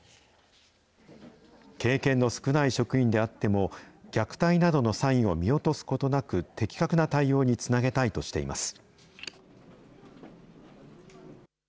経験の少ない職員であっても、虐待などのサインを見落とすことなく、的確な対応につなげたいとしています。